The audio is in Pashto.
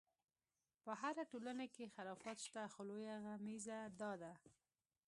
په هره ټولنه کې خرافات شته، خو لویه غمیزه دا ده.